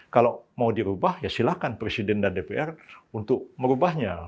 kalau mau dirubah ya silahkan presiden dan dpr untuk merubahnya